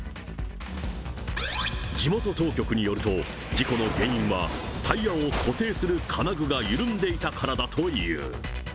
地元当局によると、事故の原因は、タイヤを固定する金具が緩んでいたからだという。